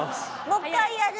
もう一回やる？